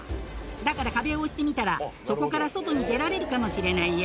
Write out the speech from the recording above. だから壁を押してみたら、そこから外に出られるかもしれないよ。